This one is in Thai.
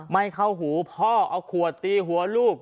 ไม่เข้าหูพ่อเอาขวดตีหัวลูก